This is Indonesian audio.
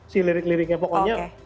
si lirik liriknya pokoknya